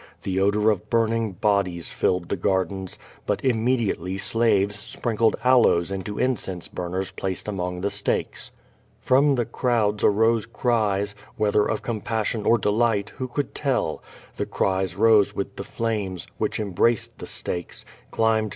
The odor of burning bodies filled the gardens, but immediately slaves sprinkled aloes into incense burners placed among the stakes. From the crowds arose cries, whether of com passion or delight, who could tell? The cries rose with the flames, which embraced the stakes, climbed.